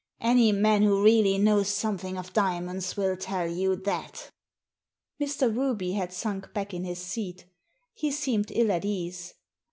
Any man who really knows something of diamonds will tell you that" Mr. Ruby had sunk back in his seat He seemed ill at ease.